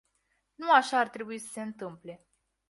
Nu așa ar trebui să se întâmple.